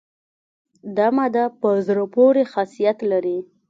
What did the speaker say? دا ماده په زړه پورې خاصیت لري.